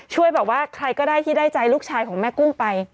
ช่วยแบบว่าใครก็ได้ที่ได้ใจลูกชายของแม่กุ้งไป